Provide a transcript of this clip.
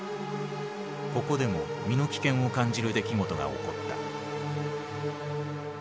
ここでも身の危険を感じる出来事が起こった。